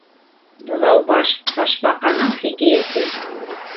БЫҘАУБАШ ТАШБАҠАНЫҢ ХИКӘЙӘТЕ